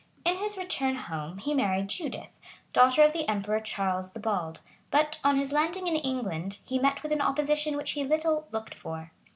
[] In his return home, he married Judith, daughter of the emperor Charles the Bald; but, on his landing in England, he met with an opposition which he little looked for.